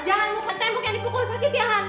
jangan makan tembok yang dipukul sakit ya han